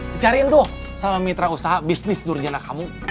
dicariin tuh sama mitra usaha bisnis nurjana kamu